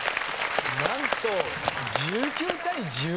なんと。